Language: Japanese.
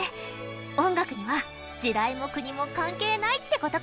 音楽には時代も国も関係ないってことかもね。